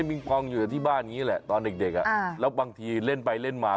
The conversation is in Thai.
มิงพองอยู่ที่บ้านอย่างนี้แหละตอนเด็กแล้วบางทีเล่นไปเล่นมา